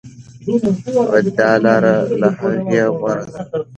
دا لاره له هغې غوره ده.